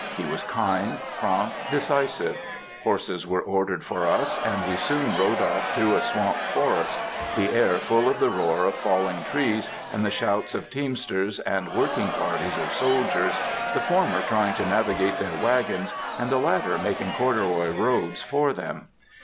He was kind, prompt, decisive; horses were ordered for us, and we soon rode off through a swamp forest, the air full of the roar of falling trees and the shouts of teamsters and working parties of soldiers, the former trying to navigate their wagons, and the latter making corduroy roads for them.